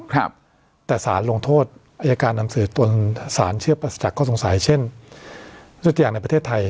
ครับแต่สารลงโทษอายการนำสือตนสารเชื่อจากข้อสงสัยเช่นทุกอย่างในประเทศไทย